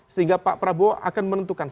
sehingga pak prabowo akan menentukan